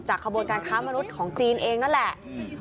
ขบวนการค้ามนุษย์ของจีนเองนั่นแหละ